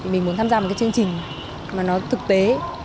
mình muốn tham gia một cái chương trình mà nó thực tế